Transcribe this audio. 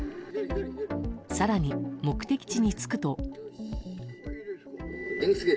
更に、目的地に着くと。